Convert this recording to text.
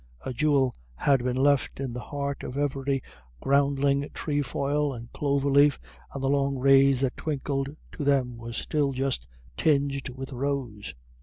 A jewel had been left in the heart of every groundling trefoil and clover leaf, and the long rays that twinkled to them were still just tinged with rose.